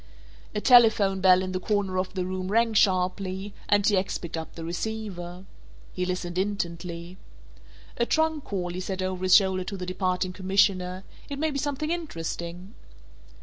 A telephone bell in the corner of the room rang sharply, and T. X. picked up the receiver. He listened intently. "A trunk call," he said over his shoulder to the departing commissioner, "it may be something interesting."